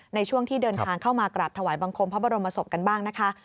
ในช่วงที่เดินทางเข้ามากราบถวายบังคมพระบรมศพกันบ้างนะคะ